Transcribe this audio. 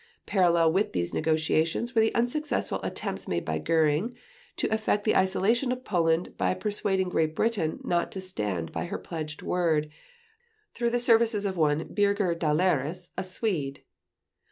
Parallel with these negotiations were the unsuccessful attempts made by Göring to effect the isolation of Poland by persuading Great Britain not to stand by her pledged word, through the services of one Birger Dahlerus, a Swede.